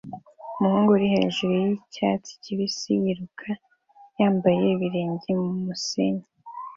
Umuhungu uri hejuru yicyatsi kibisi yiruka yambaye ibirenge mumusenyi